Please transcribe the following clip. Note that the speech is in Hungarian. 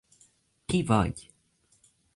Ki vagy?